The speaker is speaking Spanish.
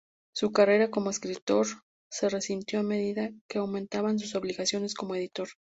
Su carrera como escritor se resintió a medida que aumentaban sus obligaciones como editor.